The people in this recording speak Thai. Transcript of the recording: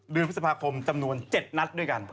เดือนพฤษภาคมจำนวน๗นัดด้วยกัน